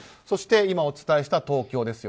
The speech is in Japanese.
そして今お伝えした東京。